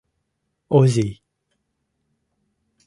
Озий.